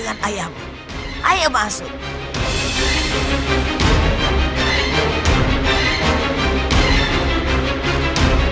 nenek kamu harus berhenti